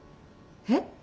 えっ？